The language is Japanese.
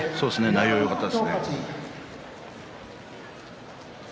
内容がよかったですね。